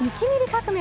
革命